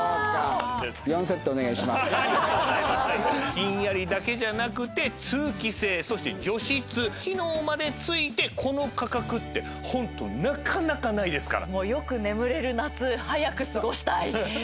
ひんやりだけじゃなくて通気性そして除湿機能まで付いてこの価格ってホントなかなかないですから。